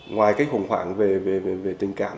ngoài cái khủng hoảng về tình cảm